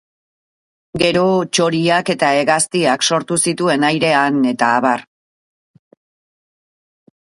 Gero txoriak eta hegaztiak sortu zituen airean, etab.